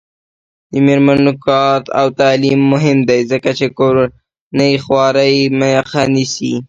د میرمنو کار او تعلیم مهم دی ځکه چې کورنۍ خوارۍ مخه نیسي.